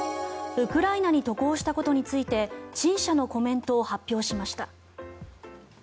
ウクライナに渡航したことについて陳謝のコメントを発表しました。